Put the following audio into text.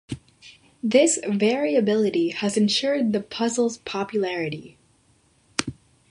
This variability has ensured the puzzle's popularity.